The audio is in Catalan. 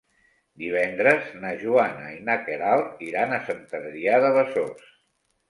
Divendres na Joana i na Queralt iran a Sant Adrià de Besòs.